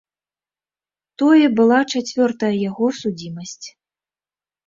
Тое была чацвёртая яго судзімасць.